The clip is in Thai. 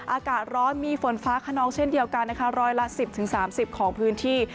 อากาศร้อนมีฝนฟ้าขนองเช่นเดียวกันนะคะร้อยละ๑๐๓๐ของพื้นที่